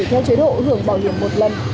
theo chế độ hưởng bảo hiểm một lần